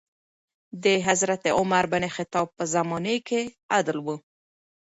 د حضرت عمر بن خطاب په زمانې کي عدل و.